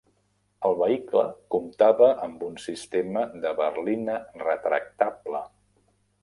El vehicle comptava amb un sistema de berlina retractable.